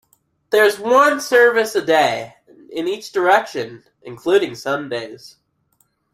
There is one service a day in each direction, including Sundays.